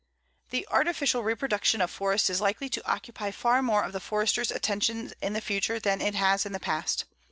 The artificial reproduction of forests is likely to occupy far more of the Forester's attention in the future than it has in the past.